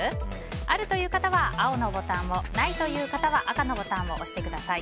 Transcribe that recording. あるという方は青のボタンをないという方は赤のボタンを押してください。